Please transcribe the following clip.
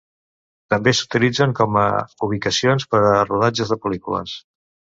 També s'utilitzen com a ubicacions per a rodatges de pel·lícules.